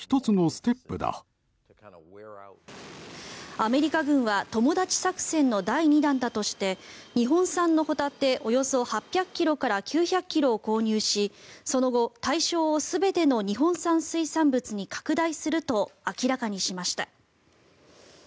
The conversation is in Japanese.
アメリカ軍はトモダチ作戦の第２弾だとして日本産のホタテおよそ８００ｋｇから９００ｋｇを購入しその後、対象を全ての日本産水産物に拡大すると明らかにしました。